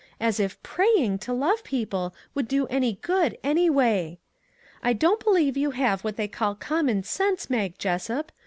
As if praying to love people would do any good, any way! I don't believe you have what they call common sense, Mag Jessup!